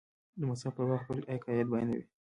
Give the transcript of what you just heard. د مذهب په باب خپل عقاید بیانوي.